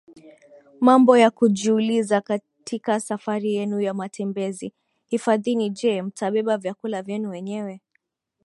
Mambo ya kujiuliza katika safari yenu ya matembezi hifadhini Je mtabeba vyakula vyenu wenyewe